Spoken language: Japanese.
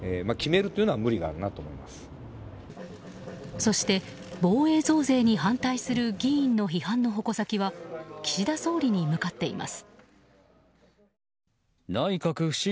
そして、防衛増税に反対する議員の批判の矛先は岸田総理に向かっています。